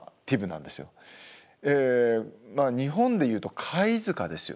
日本でいうと貝塚ですよね。